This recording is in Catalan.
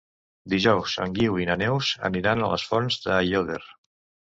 Dijous en Guiu i na Neus aniran a les Fonts d'Aiòder.